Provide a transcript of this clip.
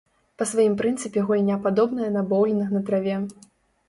Па сваім прынцыпе гульня падобная на боўлінг на траве.